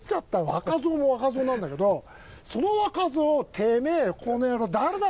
若造も若造なんだけどその若造を「てめえこの野郎誰だと思ってんだ？」。